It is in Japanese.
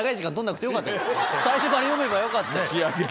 最初から読めばよかったよ。